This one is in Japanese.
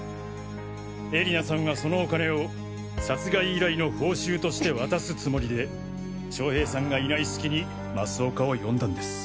絵里菜さんはそのお金を殺害依頼の報酬として渡すつもりで将平さんがいないすきに増岡を呼んだんです。